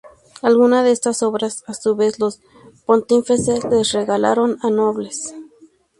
Algunas de estas obras, a su vez, los pontífices las regalaron a nobles.